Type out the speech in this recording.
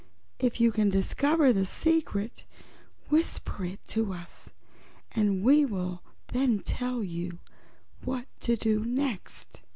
If you can discover the secret whisper it to us and we will then tell you what to do next."